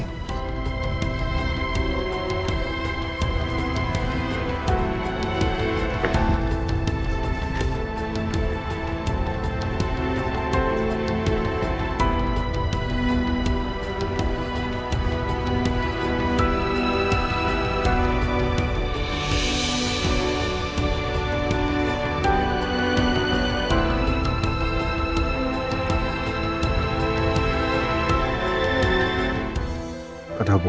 itu baru warna bijak